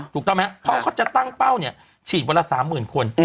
ถูกต้องไหมพ่อเขาจะตั้งเป้าฉีดวันละ๓๐๐๐๐คน